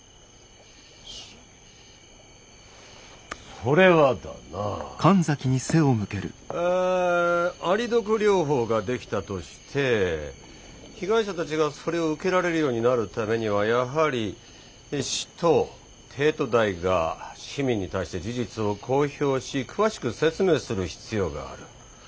そそれはだなアリ毒療法が出来たとして被害者たちがそれを受けられるようになるためにはやはり市と帝都大が市民に対して事実を公表し詳しく説明する必要がある。